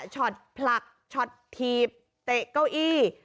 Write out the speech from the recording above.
ฉดผลักฉดทีบเตะเก้าอี้